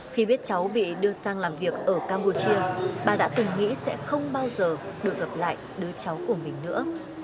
khi biết cháu bị đưa sang làm việc ở campuchia bà đã từng nghĩ sẽ không bao giờ được gặp lại đứa cháu của mình nữa